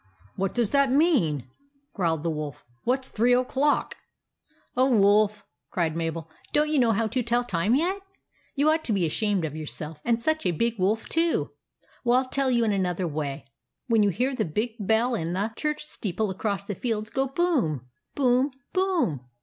" What does that mean ?" growled the Wolf. " What 's three o'clock ?"" Oh, Wolf !" cried Mabel. " Don't you know how to tell time yet ? You ought to be ashamed of yourself, — and such a big Wolf, too ! Well, I '11 tell you in another way. When you hear the big bell in the church steeple across the fields go boom ! boom ! boom